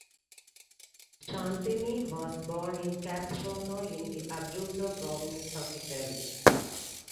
Santini was born in Capestrano in the Abruzzo province of Italy.